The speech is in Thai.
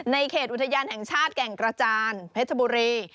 เขตอุทยานแห่งชาติแก่งกระจานเพชรบุรี